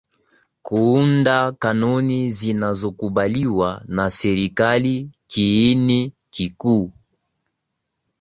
kuunda kanuni zinazokubaliwa na serikali Kiini kikuu